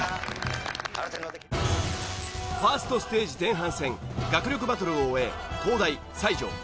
ファーストステージ前半戦学力バトルを終え東大才女